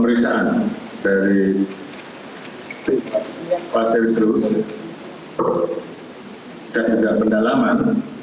perbisaan dari tim fase resursi dan juga pendalaman